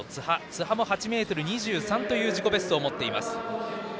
津波も８ｍ２３という自己ベストを持っています。